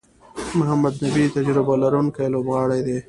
محمد نبي تجربه لرونکی لوبغاړی دئ.